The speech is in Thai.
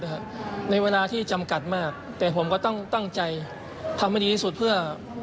อะในเวลาที่จำกรรมมากแต่ผมก็ต้องตั้งใจทำไปดีลินีสุดเพื่อ